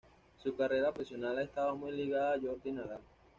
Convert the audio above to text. Su carrera profesional ha estado muy ligada a Jordi Nadal.